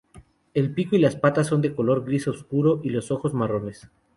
El pico y las patas son de color gris oscuro y los ojos marrones.